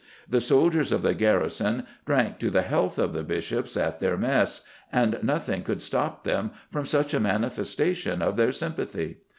The soldiers of the garrison drank to the health of the Bishops at their mess, and nothing could stop them from such a manifestation of their sympathy."